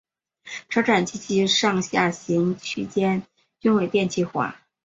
车站及其上下行区间均未电气化。